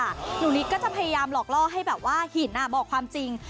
หนูนิดก็จะพยายามหลอกล่อให้แบบว่าหินบอกความจริง